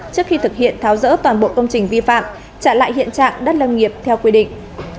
trước khi thực hiện tháo rỡ toàn bộ công trình vi phạm trả lại hiện trạng đất lâm nghiệp theo quy định